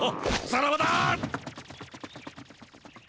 さらばだ！